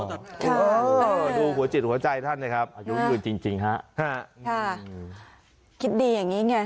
ค่ะดูหัวจิตหัวใจท่านนะครับค่ะค่ะคิดดีอย่างนี้ไง